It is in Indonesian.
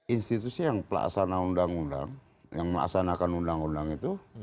institusi yang melaksanakan undang undang itu bisa didalami